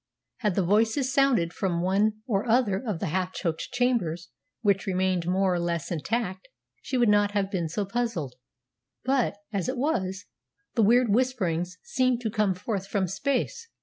Had the voices sounded from one or other of the half choked chambers which remained more or less intact she would not have been so puzzled; but, as it was, the weird whisperings seemed to come forth from space.